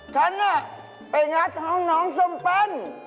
ฉันจำห้องผิด